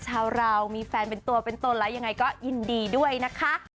ชาวเรามีแฟนเป็นตัวเป็นตนแล้วยังไงก็ยินดีด้วยนะคะ